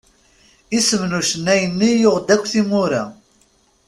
Isem n ucennay-nni yuɣ-d akk timura.